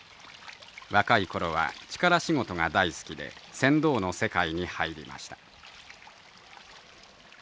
若い頃は力仕事が大好きで船頭の世界に入りました。